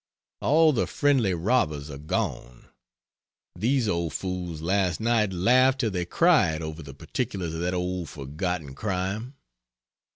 All the friendly robbers are gone. These old fools last night laughed till they cried over the particulars of that old forgotten crime.